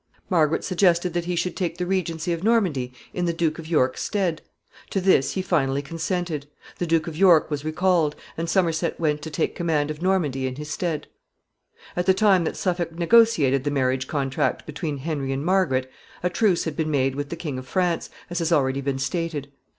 Margaret suggested that he should take the regency of Normandy in the Duke of York's stead. To this he finally consented. The Duke of York was recalled, and Somerset went to take command of Normandy in his stead. [Sidenote: Suffolk's intentions.] [Sidenote: Exposed frontier.] At the time that Suffolk negotiated the marriage contract between Henry and Margaret, a truce had been made with the King of France, as has already been stated.